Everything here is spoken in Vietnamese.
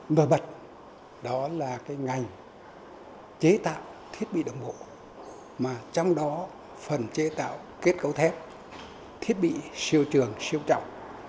nổi bật đó là cái ngành chế tạo thiết bị đồng bộ mà trong đó phần chế tạo kết cấu thép thiết bị siêu trường siêu trọng